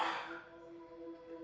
ya tuhan rama sebetulnya